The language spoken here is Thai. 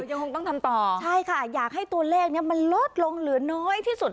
ยังคงต้องทำต่อใช่ค่ะอยากให้ตัวเลขนี้มันลดลงเหลือน้อยที่สุด